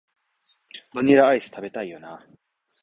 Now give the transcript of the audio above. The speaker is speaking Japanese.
バニラアイス、食べたいよな